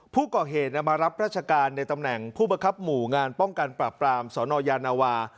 ผู้ก่อเหตุมารับราชการในตำแหน่งผู้บังคับหมู่งานป้องกันปราบปรามสนยานาวา